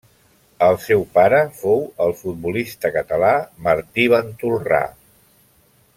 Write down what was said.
El seu pare fou el futbolista català Martí Ventolrà.